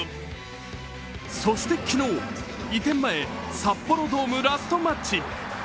そして昨日、移転前札幌ドームラストマッチ。